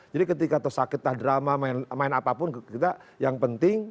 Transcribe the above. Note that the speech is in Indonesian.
jadi ketika sakit atau drama main apapun kita yang penting